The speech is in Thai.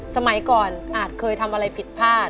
สมัยก่อนอาจเคยทำอะไรผิดพลาด